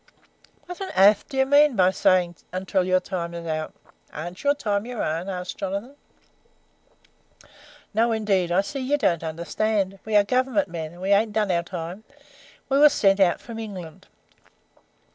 "'What on airth do you mean by saying "until you time is out?" Ain't your time your own?' asked Jonathan. "'No, indeed. I see you don't understand. We are Government men, and we ain't done our time. We were sent out from England.'